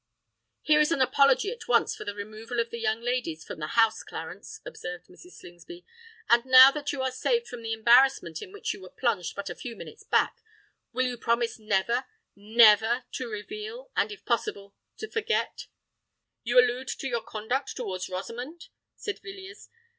"Here is an apology at once for the removal of the young ladies from this house, Clarence," observed Mrs. Slingsby. "And now that you are saved from the embarrassment in which you were plunged but a few minutes back, will you promise never—never to reveal—and, if possible, to forget——" "You allude to your conduct towards Rosamond?" said Villiers.